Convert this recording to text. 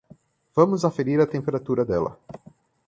Vamos aferir a temperatura dela.